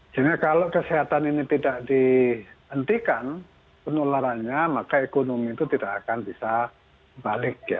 jadi kalau kesehatan ini tidak dihentikan penularannya maka ekonomi itu tidak akan bisa balik